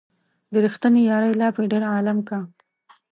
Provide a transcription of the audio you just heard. د ريښتينې يارۍ لاپې ډېر عالم کا